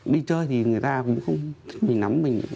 đi chơi thì người ta cũng không mình nắm mình